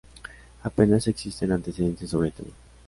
Apenas existen antecedentes sobre el tema.